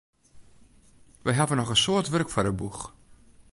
Wy hawwe noch in soad wurk foar de boech.